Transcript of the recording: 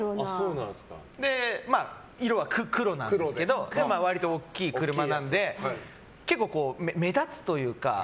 色は黒なんですけど割と大きい車なので結構、目立つというか。